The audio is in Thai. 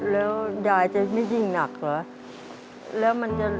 แล้วยายจะไม่ยิ่งหนักเหรอ